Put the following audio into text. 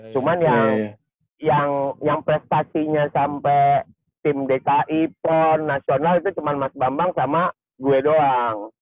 cuman yang prestasinya sampai tim dki pon nasional itu cuma mas bambang sama gue doang